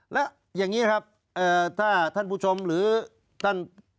แล้วอย่างนี้ครับถ้าท่านผู้ชมหรือท่าน